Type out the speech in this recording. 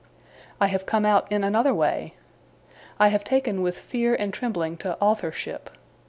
I have come out in another way. I have taken with fear and trembling to authorship.